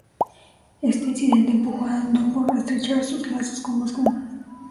Este incidente empujó a Nóvgorod a estrechar sus lazos con Moscú.